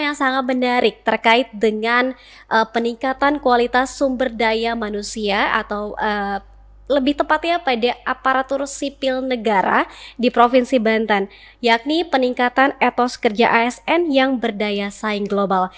yakni peningkatan etos kerja asn yang berdaya saing global